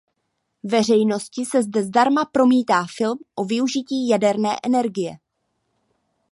Veřejnosti se zde zdarma promítá film o využití jaderné energie.